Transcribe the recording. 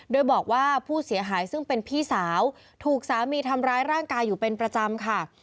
โดยบอกว่าผู้เสียหายซึ่งเป็นพี่สาวถูกสามีทำร้ายร่างกายอยู่เป็นประจำค่ะ